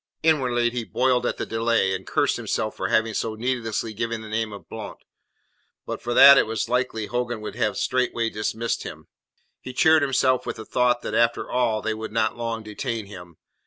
Inwardly he boiled at the delay, and cursed himself for having so needlessly given the name of Blount. But for that, it was likely Hogan would have straightway dismissed him. He cheered himself with the thought that after all they would not long detain him.